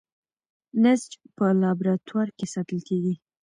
نسج په لابراتوار کې ساتل کېږي.